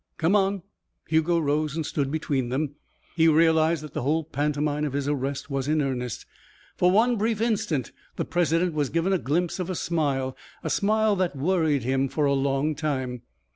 "Come on." Hugo rose and stood between them. He realized that the whole pantomime of his arrest was in earnest. For one brief instant the president was given a glimpse of a smile, a smile that worried him for a long time.